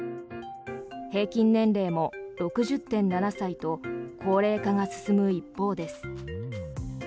平均年齢も６０．７歳と高齢化が進む一方です。